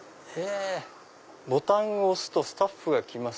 「ボタンを押すとスタッフが来ます